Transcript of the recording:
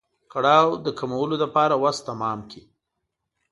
کړاو د کمولو لپاره وس تمام کړي.